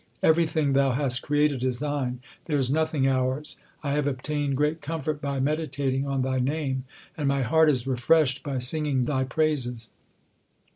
Everything Thou hast created is Thine ; there is nothing ours. 1 have obtained great comfort by meditating on Thy name, And my heart is refreshed by singing Thy praises.